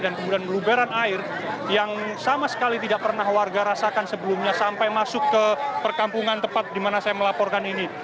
dan kemudian meluberan air yang sama sekali tidak pernah warga rasakan sebelumnya sampai masuk ke perkampungan tepat di mana saya melaporkan ini